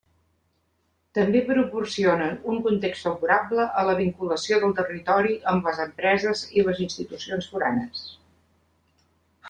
També proporcionen un context favorable a la vinculació del territori amb les empreses i les institucions foranes.